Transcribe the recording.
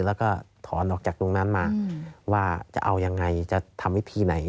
แล้วก็ถอนออกจากตรงนั้นมาว่าจะเอายังไงจะทำวิธีไหน